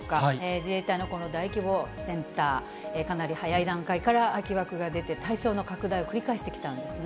自衛隊のこの大規模センター、かなり早い段階から空き枠が出て、対象の拡大を繰り返してきたんですね。